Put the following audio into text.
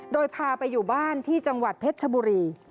โดยพาไปอยู่บ้านที่จังหวัดเพชรชบุรี